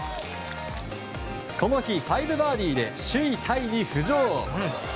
この日、５バーディーで首位タイに浮上。